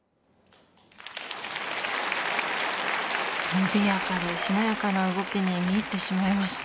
伸びやかでしなやかな動きに見入ってしまいました。